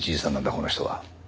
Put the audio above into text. この人は。